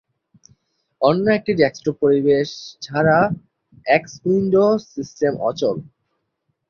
অন্য একটি ডেস্কটপ পরিবেশ ছাড়া এক্স উইন্ডো সিস্টেম অচল।